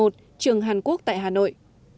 một mươi một trường hàn quốc tại hà nội